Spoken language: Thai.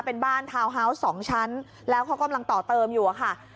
เป็นบ้านทาวน์ฮาวส์๒ชั้นแล้วเขากำลังต่อเติมอยู่อะค่ะ